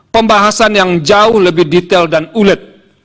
pembahasan yang jauh lebih detail dan ulet